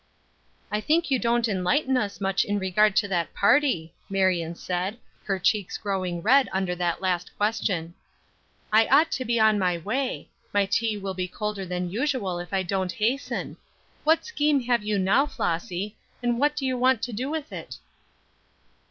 "I think you don't enlighten us much in regard to that party," Marion said, her cheeks growing red under that last question. "I ought to be on my way; my tea will be colder than usual if I don't hasten; what scheme have you now, Flossy, and what do you want to do with it?"